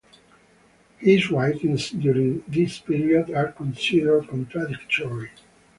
His writings during this period are considered contradictory.